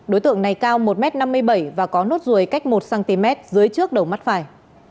đối tượng này cao một m năm mươi bảy và có nốt ruồi cách một cm dưới trước đầu mắt phải